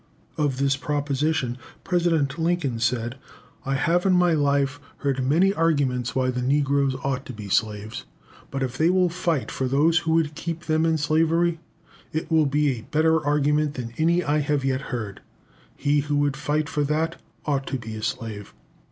Of this proposition President Lincoln said "I have in my life heard many arguments why the negroes ought to be slaves, but if they will fight for those who would keep them in slavery, it will be a better argument than any I have yet heard. He who would fight for that, ought to be a slave."